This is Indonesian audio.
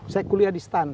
saya kuliah di stan